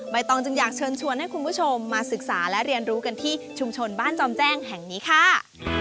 ตองจึงอยากเชิญชวนให้คุณผู้ชมมาศึกษาและเรียนรู้กันที่ชุมชนบ้านจอมแจ้งแห่งนี้ค่ะ